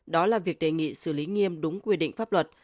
đó là việc đề nghị xử lý nghiêm đúng quy định pháp luật